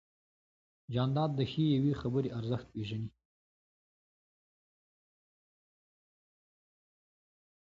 جانداد د ښې یوې خبرې ارزښت پېژني.